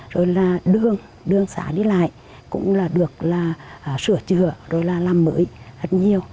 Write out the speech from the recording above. rồi là đường đường xã đi lại cũng là được là sửa chữa rồi là làm mới rất nhiều